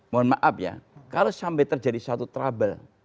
mohon maaf ya kalau sampai terjadi suatu trouble